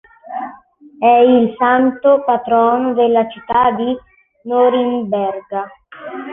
È il santo patrono della città di Norimberga.